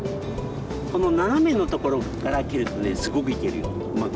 このななめのところから蹴るとねすごくいけるようまく。